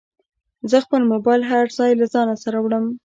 زه خپل موبایل هر ځای له ځانه سره وړم.